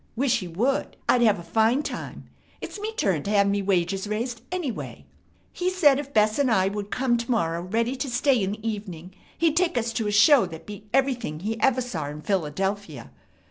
Wish he would. I'd have a fine time. It's me turn to have me wages raised, anyway. He said if Bess and I would come to morrow ready to stay in the evening, he'd take us to a show that beat everything he ever saw in Philadelphia.